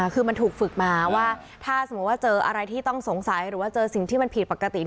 คือมันถูกฝึกมาว่าถ้าสมมุติว่าเจออะไรที่ต้องสงสัยหรือว่าเจอสิ่งที่มันผิดปกติ